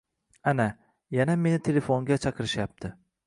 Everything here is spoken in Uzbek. Ana, yana meni telefonga chaqirishyapti